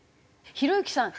ひろゆきさん